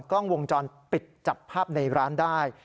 กล้องวงจรปิดจับภาพในร้านได้